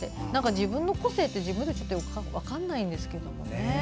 自分の個性って自分では分からないんですよね。